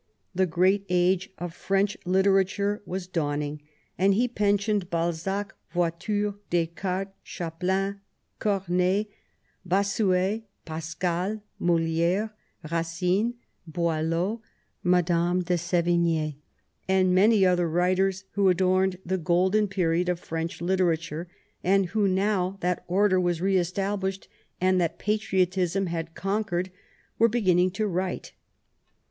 The great age of French literature was dawning, and he pensioned Balzac, Voiture, Descartes, Chapelain, Comeille, Bossuet, Pascal, Moli^re, Eacine, Boileau, Madame de S^vign^ and many other writers who adorned the golden period of French literature, and who, now that order was re established and that patriotism had conquered, were beginning to write.